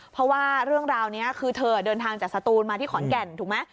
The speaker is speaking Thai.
เพราะว่าเรื่องราวนี้คือเธอเดินทางจากสตูนมาที่ขอนแก่นถูกไหม